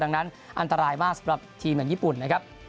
ดังนั้นอันตรายมากสำหรับทีมอย่างญี่ปุ่นนะครับ